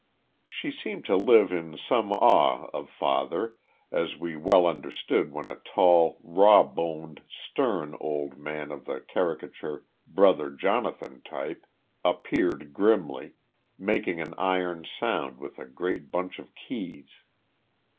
She seemed to live in some awe of "father," as we well understood when a tall, raw boned, stern, old man, of the caricature "Brother Jonathan" type, appeared grimly, making an iron sound with a great bunch of keys.